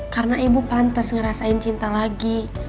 karena ibu plantas ngerasain cinta lagi